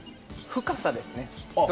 深さですね。